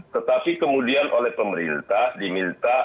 tetapi kemudian oleh pemerintah diminta